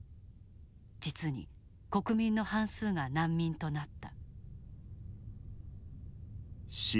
実に国民の半数が難民となった。